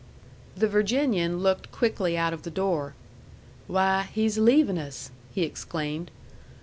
The Virginian looked quickly out of the door. "Why, he's leavin' us!" he exclaimed.